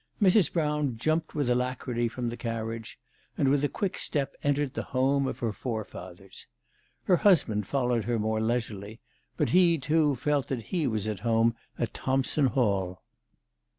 Mrs. Brown jumped with alacrity from the carriage, and with a quick step entered the home of her forefathers. Her husband followed her more leisurely, but he, too, felt that he was at home at Thompson Hall.